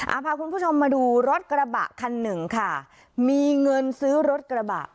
เอาพาคุณผู้ชมมาดูรถกระบะคันหนึ่งค่ะมีเงินซื้อรถกระบะ